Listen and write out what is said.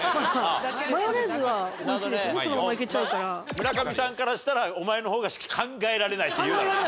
村上さんからしたらお前の方が考えられないって言うだろうな。